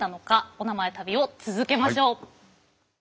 おなまえ旅を続けましょう。